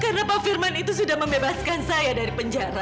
karena pak firman itu sudah membebaskan saya dari penjara